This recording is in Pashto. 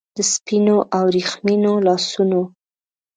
د سپینو او وریښمینو لاسونو